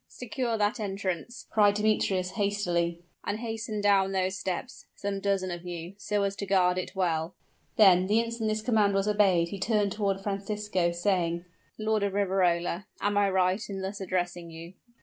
"Secure that entrance!" cried Demetrius, hastily; "and hasten down those steps, some dozen of you, so as to guard it well!" then, the instant this command was obeyed he turned toward Francisco, saying, "Lord of Riverola am I right in thus addressing you?"